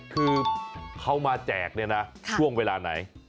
คือเขามาแจกเนี่ยนะช่วงเวลาไหน